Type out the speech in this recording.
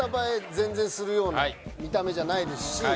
全然するような見た目じゃないですし